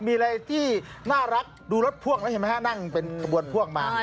มีอะไรที่น่ารักดูรถพ่วงแล้วเห็นไหมฮะนั่งเป็นขบวนพ่วงมา